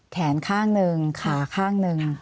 แขนข้างหนึ่งขาข้างหนึ่ง